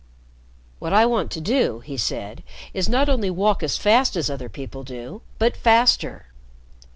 "What I want to do," he said, "is not only walk as fast as other people do, but faster.